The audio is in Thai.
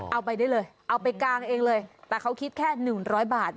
เอาไปได้เลยเอาไปกางเองเลยแต่เขาคิดแค่๑๐๐บาท